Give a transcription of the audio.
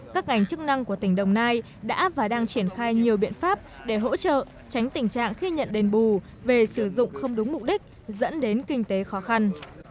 các ngành chức năng của tỉnh đồng nai đã và đang triển khai nhiều biện pháp để hỗ trợ tránh tình trạng khi nhận đền bù về sử dụng không đúng mục đích dẫn đến kinh tế khó khăn